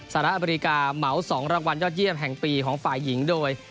สหรัฐอเมริกาเหมา๒รางวัลยอดเยี่ยมแห่งปีของฝ่ายหญิงโดย